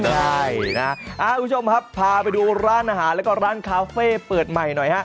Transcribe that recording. คุณผู้ชมพาไปดูร้านอาหารและร้านคาเฟ่เปิดใหม่หน่อย